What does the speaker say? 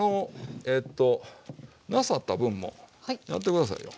なさった分もやって下さいよ。